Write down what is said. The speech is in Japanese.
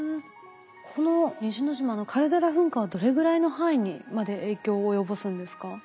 この西之島のカルデラ噴火はどれぐらいの範囲にまで影響を及ぼすんですか？